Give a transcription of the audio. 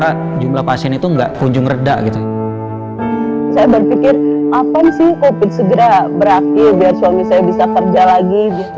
alip caliber buri belanda ada geng nabung air nepas kelompok smart